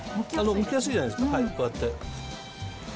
むきやすいじゃないですか、こうやって。